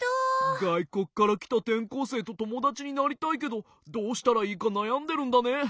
がいこくからきたてんこうせいとともだちになりたいけどどうしたらいいかなやんでるんだね。